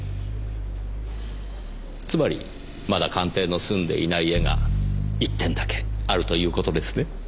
つまりまだ鑑定の済んでいない絵が１点だけあるということですね？